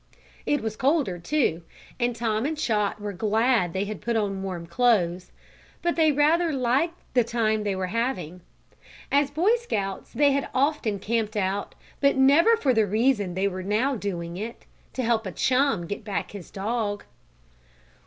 It was colder, too, and Tom and Chot were glad they had put on warm clothes. But they rather liked the time they were having. As Boy Scouts they had often camped out, but never for the reason they were now doing it to help a chum get back his dog.